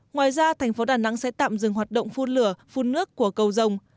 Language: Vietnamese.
ngoài ra thành phố đà nẵng sẽ tạm dừng hoạt động phun lửa phun nước của cầu rồng